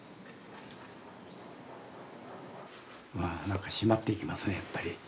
なんか締まっていきますねやっぱり。